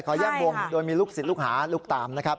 ขอยากมุมโดยมีลูกศิลป์ลูกหาลูกตามนะครับ